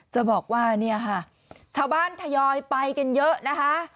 จะบอกว่าเนี่ยค่ะชาวบ้านทยอยไปกันเยอะนะคะ